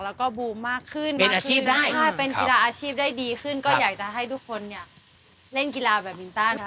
แล้วก็บูมมากขึ้นมีอาชีพถ้าเป็นกีฬาอาชีพได้ดีขึ้นก็อยากจะให้ทุกคนเนี่ยเล่นกีฬาแบบมินตัน